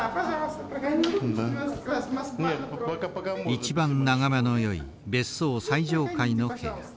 一番眺めのよい別荘最上階の部屋。